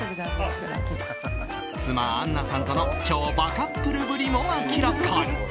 妻あんなさんとの超バカップルぶりも明らかに。